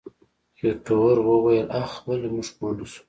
خېټور وويل اخ ولې موږ پوه نه شو.